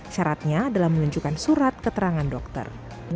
syaratnya adalah menunjukkan surat keterangan dokter